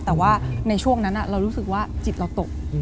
แต่ว่าในช่วงนั้นเรารู้สึกว่าจิตเราตก